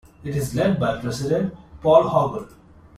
It is led by President Paul Hogle.